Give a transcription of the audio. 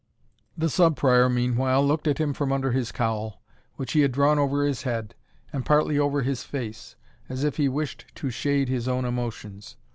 The Sub Prior, meanwhile, looked at him from under his cowl, which he had drawn over his head, and partly over his face, as if he wished to shade his own emotions.